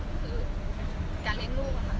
ไม่ใช่นี่คือบ้านของคนที่เคยดื่มอยู่หรือเปล่า